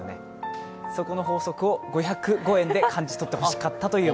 そこの法則を、５０５円で感じ取ってほしかったという。